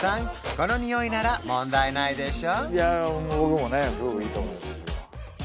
このにおいなら問題ないでしょ？